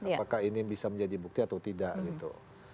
apakah ini bisa menjadi bukti atau tidak gitu